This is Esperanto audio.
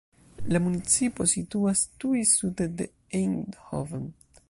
La municipo situas tuj sude de Eindhoven.